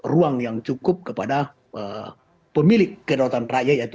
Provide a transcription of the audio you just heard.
ruang yang cukup kepada pemilik kedaulatan rakyat